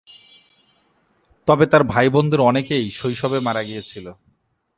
তবে তার ভাইবোনদের অনেকেই শৈশবেই মারা গিয়েছিল।